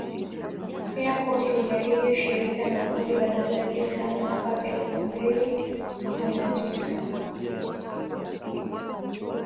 Pia kundi liliahidi ushirika na Kundi la dola ya Kiislamu mwaka elfu mbili kumi na tisa